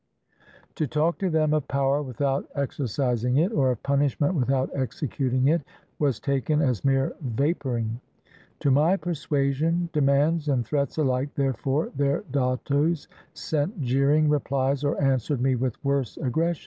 To talk to them of power without exer cising it, or of punishment without executing it, was taken as mere vaporing. To my persuasion, demands, and threats alike, therefore, their dattos sent jeering replies or answered me with worse aggressions.